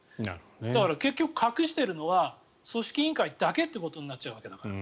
だから結局隠しているのは組織委員会だけということになっちゃうから。